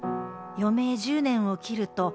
「余命１０年を切ると」